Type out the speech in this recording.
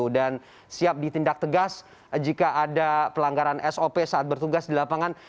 dan siap ditindak tegas jika ada pelanggaran sop saat bertugas di lapangan